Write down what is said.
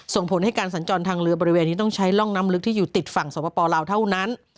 ส่งผลให้การสัญจรทางเรือบริเวณนี้ต้องใช้ร่องน้ำลึกที่อยู่ติดฝั่งสวปลาวเท่านั้น